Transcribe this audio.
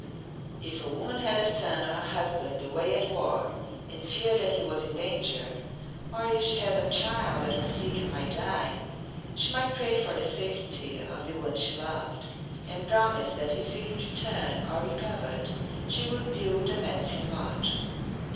If a woman had a son or a husband away at war and feared that he was in danger, or if she had a child that was sick and might die, she might pray for the safety of the one she loved, and promise that if he returned or recovered she would build a Medicine Lodge.